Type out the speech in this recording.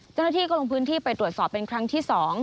เจ้าหน้าที่ก็ลงพื้นที่ไปตรวจสอบเป็นครั้งที่๒